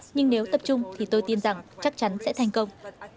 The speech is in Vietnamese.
nhưng nếu tập trung thì tôi tin rằng chắc chắn sẽ thành công